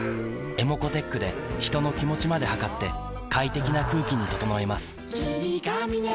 ｅｍｏｃｏーｔｅｃｈで人の気持ちまで測って快適な空気に整えます